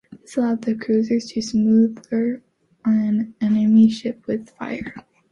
This allowed the cruiser to smother an enemy ship with fire.